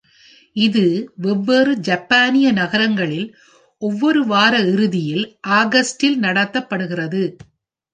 இது வெவ்வேறு ஜப்பானிய நகரங்களில் ஒவ்வொரு வார இறுதியில் ஆகஸ்டில் நடத்தப்படுகிறது.